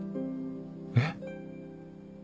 えっ？